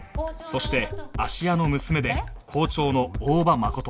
そして芦屋の娘で校長の大場麻琴